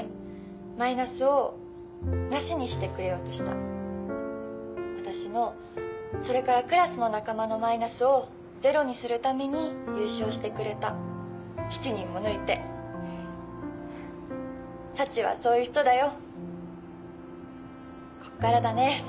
マイナスをなしにしてくれようとした私のそれからクラスの仲間のマイナスをゼロにするために優勝してくれた７人も抜いてサチはそういう人だよ